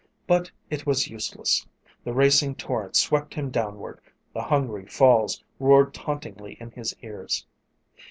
But it was useless. The racing torrent swept him downward; the hungry falls roared tauntingly in his ears.